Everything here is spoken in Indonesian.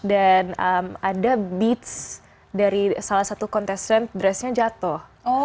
dan ada beets dari salah satu penonton dressnya jatuh